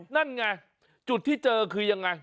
นั่นไงจุดที่เจอคือยังไง